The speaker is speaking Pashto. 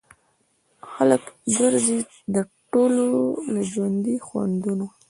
خلک ګرځي ټولوي له ژوند خوندونه